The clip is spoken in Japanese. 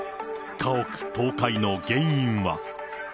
家屋倒壊の原因は。